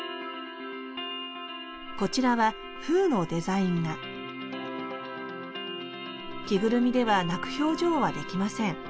こちらは着ぐるみでは泣く表情はできません。